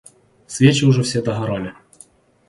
Свечи уже все догорали.